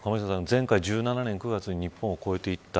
前回１７年９月に日本を越えていった。